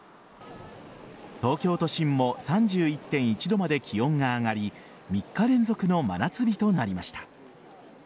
東京都心も３１．１度まで気温が上がり３日連続の真夏日となりました。